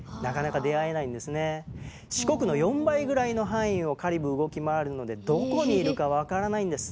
四国の４倍ぐらいの範囲をカリブー動き回るのでどこにいるか分からないんです。